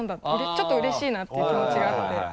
ちょっとうれしいなっていう気持ちがあって。